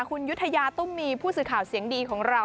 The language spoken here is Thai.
คุณยุธยาตุ้มมีผู้สื่อข่าวเสียงดีของเรา